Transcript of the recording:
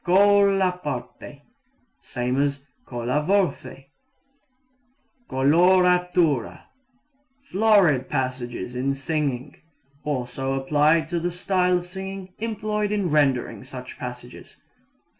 Colla parte same as colla voce. Coloratura florid passages in singing. Also applied to the style of singing employed in rendering such passages.